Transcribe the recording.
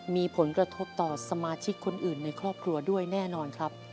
มีผลกระทบต่อสมาชิกคนอื่นในครอบครัวด้วยแน่นอนครับ